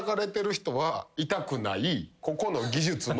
ここの技術の。